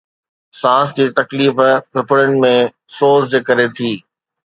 سانس جي تڪليف ڦڦڙن ۾ سوز جي ڪري ٿي